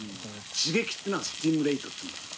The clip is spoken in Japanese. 刺激っていうのはスチームレイトって言うんだ。